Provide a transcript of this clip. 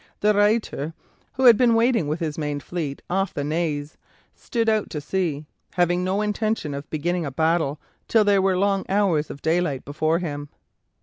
De Ruyter, who had been waiting with his main fleet off the Naze, stood out to sea, having no intention of beginning a battle till there were long hours of daylight before him.